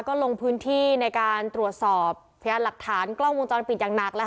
ก็ลงพื้นที่ในการตรวจสอบพยานหลักฐานกล้องวงจรปิดอย่างหนัก